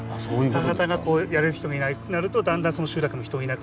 田畑がやれる人がいなくなるとだんだんその集落の人がいなくなって。